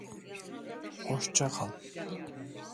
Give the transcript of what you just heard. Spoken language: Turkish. Hosça kal.